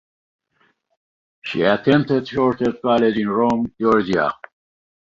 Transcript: She attended Shorter College in Rome, Georgia.